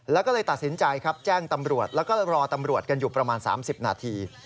แล้วก็เลยตัดสินใจครับแจ้งตำรวจแล้วก็รอตำรวจกันอยู่ประมาณ๓๐นาที